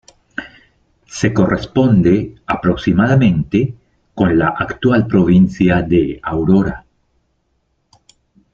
Se corresponde aproximadamente con la actual provincia de Aurora.